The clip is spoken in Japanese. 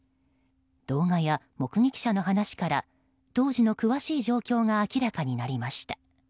動画や目撃者の話から当時の詳しい状況が明らかになりました。